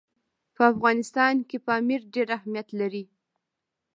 په افغانستان کې پامیر ډېر اهمیت لري.